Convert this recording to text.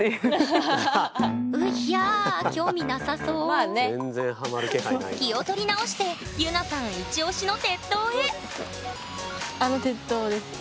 うひゃあ興味なさそ気を取り直してゆなさんイチオシの鉄塔へあの鉄塔です。